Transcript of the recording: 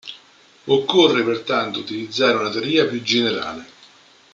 Occorre pertanto utilizzare una teoria più generale.